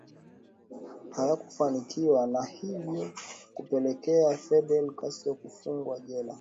Hayakufanikiwa na hivyo kupelekea Fidel Castro kufungwa jela